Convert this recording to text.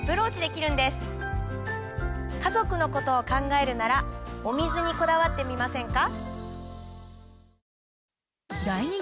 家族のことを考えるならお水にこだわってみませんか？